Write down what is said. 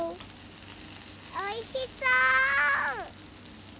おいしそう！